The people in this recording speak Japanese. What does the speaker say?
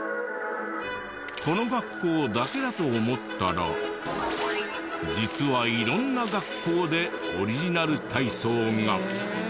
この学校だけだと思ったら実は色んな学校でオリジナル体操が。